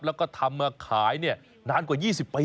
แล้วก็ทำมาขายนานกว่า๒๐ปี